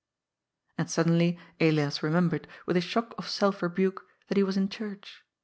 And suddenly Elias remembered, with a shock of self rebuke, that he was in church.